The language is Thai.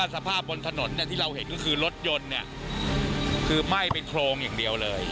สภาพบนถนนที่เราเห็นก็คือรถยนต์คือไหม้เป็นโครงอย่างเดียวเลย